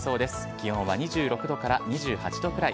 気温は２６度から２８度くらい。